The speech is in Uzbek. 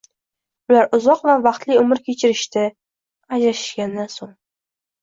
Ular uzoq va baxtli umr kechirishdi! Ajrashishgandan so'ng...